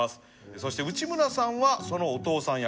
そして内村さんはそのお父さん役。